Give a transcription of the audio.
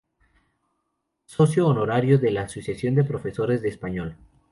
Socio honorario de la Asociación de Profesores de Español.